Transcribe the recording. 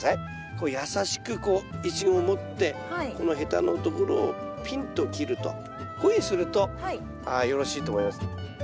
こう優しくこうイチゴを持ってこのヘタのところをピンと切るとこういうふうにするとよろしいと思います。